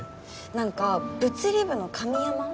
何か物理部の神山の